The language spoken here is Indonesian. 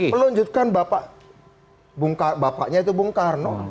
melunjutkan bapaknya yaitu bung karno